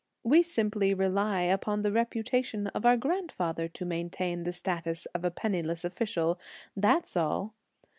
We simply rely upon the reputation of our grandfather to maintain the status of a penniless official; that's all!